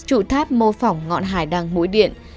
trụ tháp mô phỏng ngọn hải đăng mũi điện